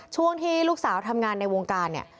ช่วงที่ลูกสาวทำงานในวงการเนี่ย